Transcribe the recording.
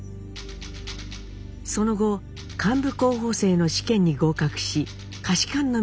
その後幹部候補生の試験に合格し下士官の道を歩みます。